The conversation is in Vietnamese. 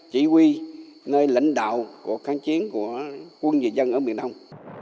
chỉ huy nơi lãnh đạo của kháng chiến của quân và dân ở miền đông